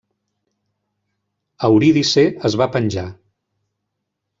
Eurídice es va penjar.